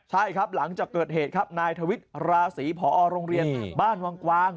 ใช่ครับหลังจากเกิดเหตุครับนายทวิทย์ราศีพอโรงเรียนบ้านวังกวาง